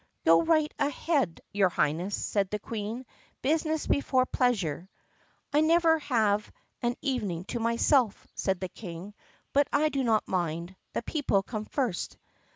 "Go right ahead, your Highness," said the Queen; "business before pleasure." "I never have an evening to myself," said the King, "but I do not mind. The people come first."